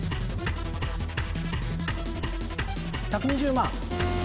１２０万。